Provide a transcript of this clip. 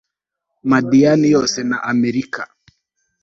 madiyani yose na amaleki